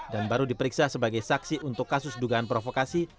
dan baru diperiksa sebagai saksi untuk kasus dugaan provokasi